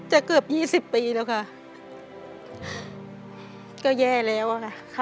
จะเกือบ๒๐ปีแล้วค่ะ